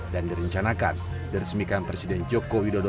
dan direncanakan diresemikan presiden joko widodo pada dua ribu dua puluh empat